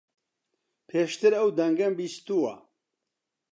پێشتر ئەو دەنگەم بیستووە.